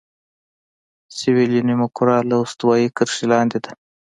سویلي نیمهکره له استوایي کرښې لاندې ده.